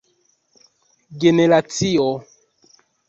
generacio